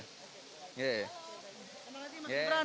terima kasih mas gibran